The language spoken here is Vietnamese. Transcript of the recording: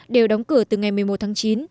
đều đóng cửa từ ngày một mươi một tháng chín